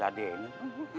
pak kau diladenin